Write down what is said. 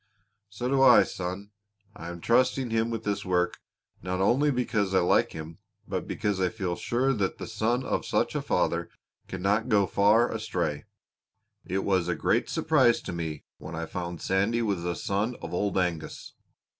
"So do I, son. I am trusting him with this work not only because I like him but because I feel sure that the son of such a father cannot go far astray. It was a great surprise to me when I found Sandy was the son of Old Angus.